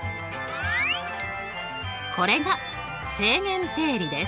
これが正弦定理です。